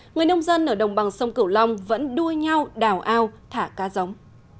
người nông dân ở đồng bằng sông cửu long vẫn đua nhau đào ao thả cá giống